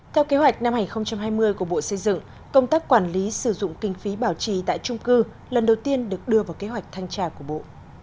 theo kế hoạch năm hai nghìn hai mươi của bộ xây dựng công tác quản lý sử dụng kinh phí bảo trì tại trung cư lần đầu tiên được đưa vào kế hoạch thanh tra của bộ